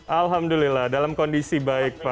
alhamdulillah dalam kondisi baik pak